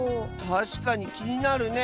たしかにきになるね。